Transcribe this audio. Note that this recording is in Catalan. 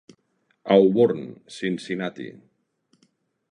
Auburn, Cincinnati.